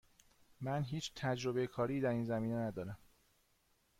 من هیچ تجربه کاری در این زمینه ندارم.